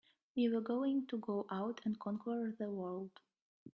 You were going to go out and conquer the world!